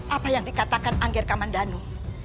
apa yang dikatakan angger kamandano